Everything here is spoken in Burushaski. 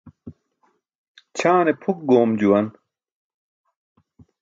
Ćʰaane pʰuk goom juwan.